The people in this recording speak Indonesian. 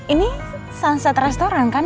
ini sunset restaurant kan